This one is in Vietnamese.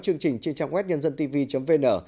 chương trình trên trang web nhân dân tv vn